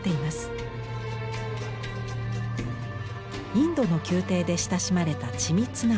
インドの宮廷で親しまれた緻密な絵画。